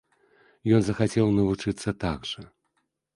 Ён захацеў навучыцца так жа.